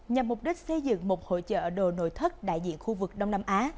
nhằm mục đích xây dựng một hội trợ đồ nội thất đại diện khu vực đông nam á